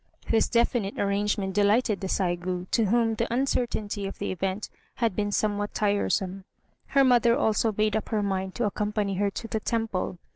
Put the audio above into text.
This definite arrangement delighted the Saigû, to whom the uncertainty of the event had been somewhat tiresome. Her mother also made up her mind to accompany her to the temple.